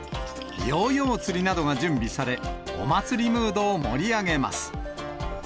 ヨーヨー釣りなどが準備され、お祭りムードを盛り上げます。